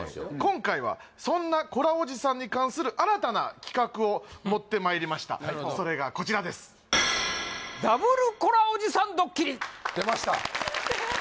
今回はそんなコラおじさんに関する新たな企画を持ってまいりましたそれがこちらですでました